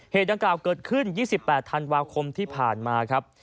ดังกล่าวเกิดขึ้น๒๘ธันวาคมที่ผ่านมาครับ